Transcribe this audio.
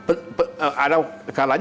ada kalanya penyelidikan